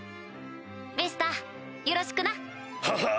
ベスターよろしくな！ははっ！